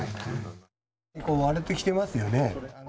ここ割れてきてますよね？